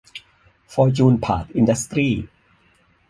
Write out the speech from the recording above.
ฟอร์จูน พาร์ท อินดัสตรี้